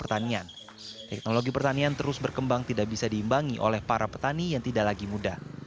pertanian teknologi pertanian terus berkembang tidak bisa diimbangi oleh para petani yang tidak lagi muda